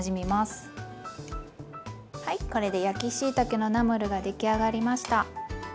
はいこれで焼きしいたけのナムルが出来上がりました！